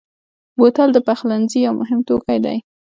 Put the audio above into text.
بوتل د پخلنځي یو مهم توکی دی.